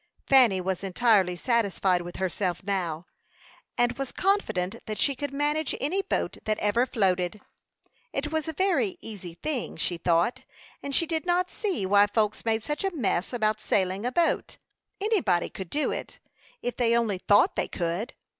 Fanny was entirely satisfied with herself now, and was confident that she could manage any boat that ever floated. It was a very easy thing, she thought, and she did not see why folks made such a "fuss" about sailing a boat; anybody could do it, if they only thought they could.